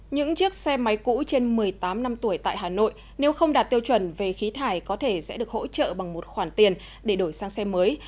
những chiếc xe máy cũ trên một mươi tám năm tuổi tại hà nội nếu không đạt tiêu chuẩn về khí thải có thể sẽ được hỗ trợ bằng một khoản tiền để đổi sang xe mới